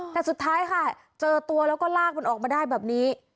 แต่สุดท้ายค่ะเจอตัวแล้วก็ลากมันออกมาได้แบบนี้